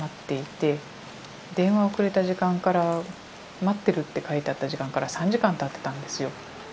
電話をくれた時間から待ってるって書いてあった時間から３時間たってたんですよ。